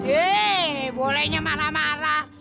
eh bolehnya marah marah